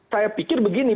saya pikir begini